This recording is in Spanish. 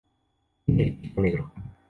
Tiene el pico negro.